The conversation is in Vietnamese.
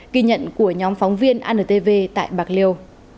kỳ nhận của nhóm phóng viên antv tại bạc liêu